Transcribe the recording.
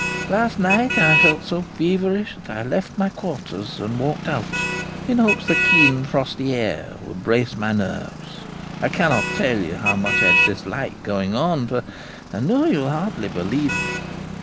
Last night I felt so feverish that I left my quarters and walked out, in hopes the keen frosty air would brace my nerves I cannot tell how much I dislike going on, for I know you will hardly believe me.